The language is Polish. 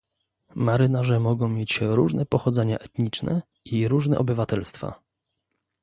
Marynarze mogą mieć różne pochodzenie etniczne i różne obywatelstwa